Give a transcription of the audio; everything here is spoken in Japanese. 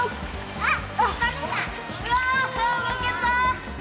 あっ。